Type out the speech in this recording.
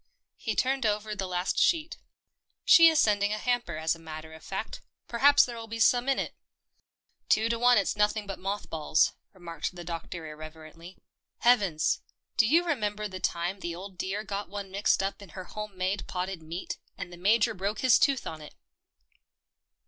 He turned over the last sheet. " She is sending a hamper, as a matter of fact. Perhaps there'll be some in it." " Two to one it's nothing but moth balls," remarked the doctor irreverently. " Hea vens! do you remember the time the old dear got one mixed up in her home made 154 THE PEPNOTISED MILK potted meat — and the Major broke his tooth on it."